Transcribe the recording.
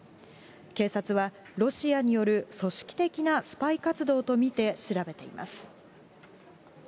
警察はロシアによる組織的なスパイ活動と見て調べています。